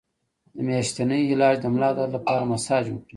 د میاشتنۍ ناروغۍ د ملا درد لپاره مساج وکړئ